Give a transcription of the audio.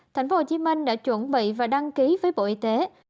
tp hcm đã chuẩn bị và đăng ký với bộ y tế